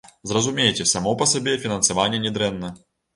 Зразумейце, само па сабе фінансаванне не дрэнна.